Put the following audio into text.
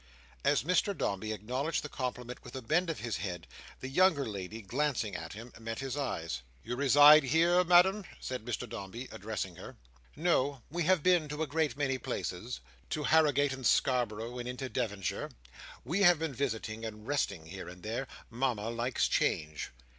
As Mr Dombey acknowledged the compliment with a bend of his head, the younger lady glancing at him, met his eyes. "You reside here, Madam?" said Mr Dombey, addressing her. "No, we have been to a great many places. To Harrogate and Scarborough, and into Devonshire. We have been visiting, and resting here and there. Mama likes change."